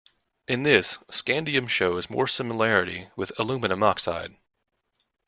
In this, scandium shows more similarity with aluminium oxide.